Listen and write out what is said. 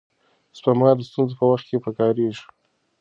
سپما د ستونزو په وخت کې پکارېږي.